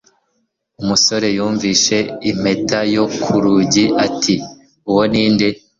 Wa musore yumvise impeta yo ku rugi, ati: "Uwo ni nde?"